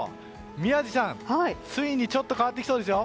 宮司さん、ついにちょっと変わってきそうですよ。